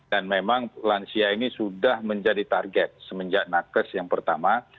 dan memang lansia ini sudah menjadi target semenjak nakes yang pertama